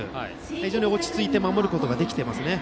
非常に落ち着いて守ることができていますよね。